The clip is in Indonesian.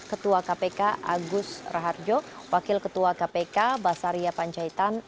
ketua kpk agus raharjo wakil ketua kpk basaria panjaitan